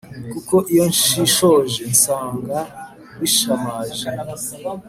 Kuko iyo nshishoje nsanga bishamaje